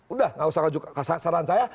udah gak usah saran saya